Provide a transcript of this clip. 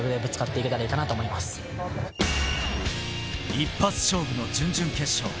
一発勝負の準々決勝。